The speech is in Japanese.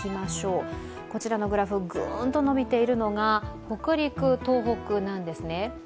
こちらのグラフ、ぐーんと伸びているのが北陸、東北なんですね。